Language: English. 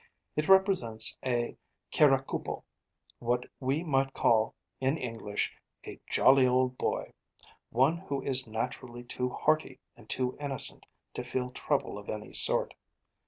It represents a kirakubo what we might call in English 'a jolly old boy,' one who is naturally too hearty and too innocent to feel trouble of any sort.